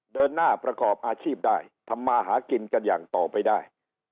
เดินหน้าประกอบอาชีพได้ทำมาหากินกันอย่างต่อไปได้